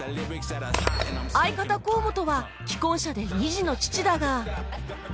相方河本は既婚者で２児の父だが